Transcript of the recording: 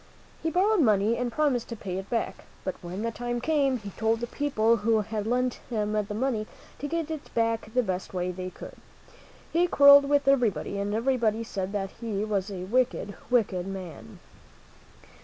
He borrowed money and promised to pay it back; but when the time came, he told the people who had lent him the money to get it back the best way they could. He quarreled with everybody, and everybody said that he was a wicked, wicked man.